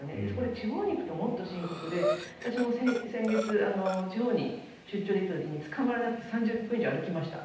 地方に行くともっと深刻で私も先月、地方に出張に行った時つかまらなくて３０分以上歩きました。